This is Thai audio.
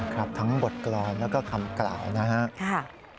ครับทั้งบทกรรมแล้วก็คำกล่าวนะครับ